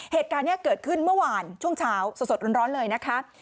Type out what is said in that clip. เหตุการณ์นี้เกิดขึ้นเมื่อวานช่วงเช้าสดร้อนเลยนะคะ